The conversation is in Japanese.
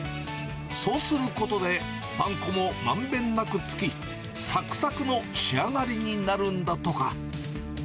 そうすることで、パン粉もまんべんなく付き、さくさくの仕上がりになるんだとか。